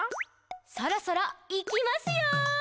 「そろそろ、いきますよ！」